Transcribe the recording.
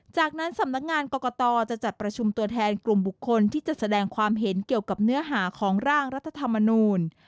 จากนั้นสำนักงานกรกตจะจัดประชุมตัวแทนกลุ่มบุคคลที่จะแสดงความเห็นเกี่ยวกับเนื้อหาของร่างรัฐธรรมนูล